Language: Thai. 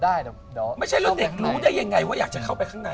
ไม่ใช่แล้วเด็กรู้ได้ยังไงว่าอยากจะเข้าไปข้างใน